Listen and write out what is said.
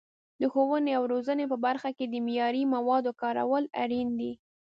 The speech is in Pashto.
د ښوونې او روزنې په برخه کې د معیاري موادو کارول اړین دي.